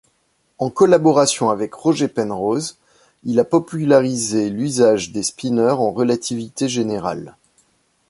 En collaboration avec Roger Penrose, il a popularisé l'usage des spineurs en relativité générale.